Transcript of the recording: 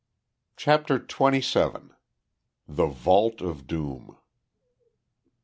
CHAPTER TWENTY SEVEN. THE VAULT OF DOOM.